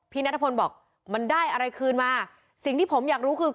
นัทพลบอกมันได้อะไรคืนมาสิ่งที่ผมอยากรู้คือ